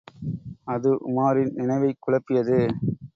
அது, உமாரின் நினைவைக் குழப்பியது.